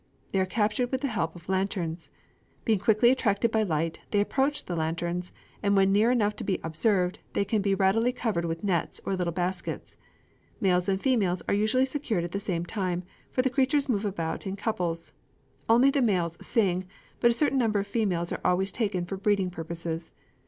They are captured with the help of lanterns. Being quickly attracted by light, they approach the lanterns; and when near enough to be observed, they can readily be covered with nets or little baskets. Males and females are usually secured at the same time, for the creatures move about in couples. Only the males sing; but a certain number of females are always taken for breeding purposes.